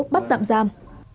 bắt tạm giam